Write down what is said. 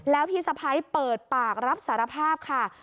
แล้วพี่สะพ้ายเปิดปากรับสารภาพค่ะ